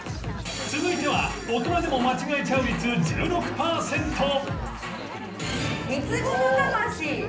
続いては大人でも間違えちゃう率１６パーセント